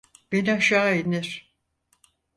Beni aşağı indir!